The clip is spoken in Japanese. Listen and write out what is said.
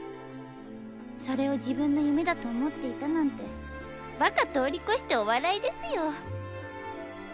それを自分の夢だと思っていたなんてばか通り越してお笑いですよ。